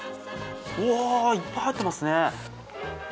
うわ、いっぱい入っていますね